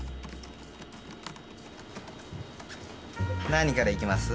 何から行きます？